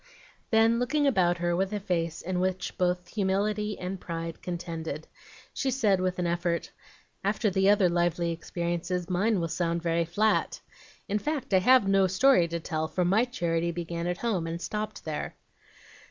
Then, looking about her with a face in which both humility and pride contended, she said with an effort, "After the other lively experiences, mine will sound very flat. In fact, I have no story to tell, for MY charity began at home, and stopped there."